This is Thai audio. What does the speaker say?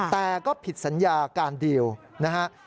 แต่ก็ผิดสัญญาการเดียวนะฮะ